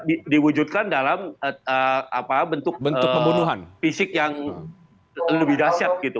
itu diwujudkan dalam bentuk fisik yang lebih dahsyat gitu